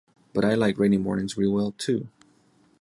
But I like rainy mornings real well, too.